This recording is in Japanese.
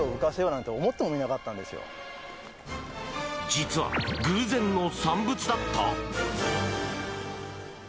実は偶然の産物だった？